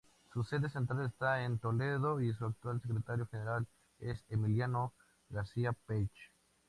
Su sede central está en Toledo y su actual secretario general es Emiliano García-Page.